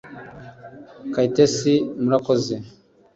kayitesi: murakoze.